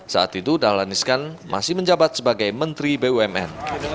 saat itu dahlan iskan masih menjabat sebagai menteri bumn